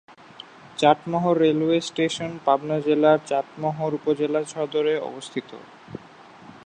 Chatmohar railway station Pabna জেলার চাটমোহর উপজেলা সদরে অবস্থিত।